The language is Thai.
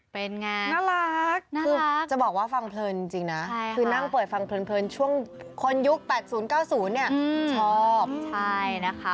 เป็นไงน่ารักน่ารักคือจะบอกว่าฟังเพลินจริงนะใช่ค่ะคือนั่งเปิดฟังเพลินเพลินช่วงคนยุคแปดศูนย์เก้าศูนย์เนี้ยอืมชอบใช่นะคะ